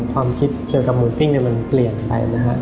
มีความคิดเกี่ยวกับหมูปิ้งเนี่ยมันเปลี่ยนไปนะครับ